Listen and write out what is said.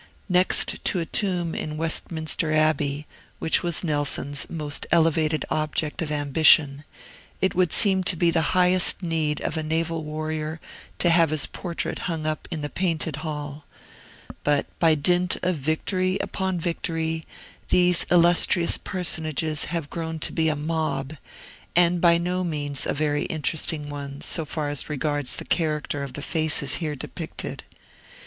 Next to a tomb in Westminster Abbey, which was Nelson's most elevated object of ambition, it would seem to be the highest need of a naval warrior to have his portrait hung up in the Painted Hall; but, by dint of victory upon victory, these illustrious personages have grown to be a mob, and by no means a very interesting one, so far as regards the character of the faces here depicted.